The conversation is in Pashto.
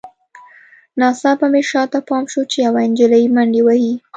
ناڅاپه مې شاته پام شو چې یوه نجلۍ منډې وهي